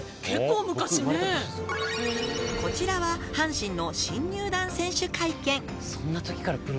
結構昔ねぇこちらは阪神の新入団選手会見